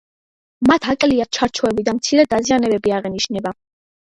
მათ აკლია ჩარჩოები და მცირე დაზიანებები აღენიშნება.